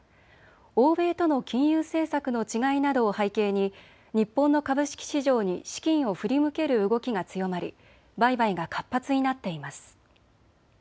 欧米との金融政策の違いなどを背景に日本の株式市場に資金を振り向ける動きが強まり売買が活発になっています。